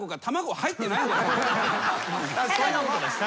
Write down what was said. そんなことないです。